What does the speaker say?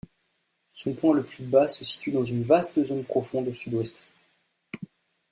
Son point le plus bas se situe dans une vaste zone profonde au Sud-Ouest.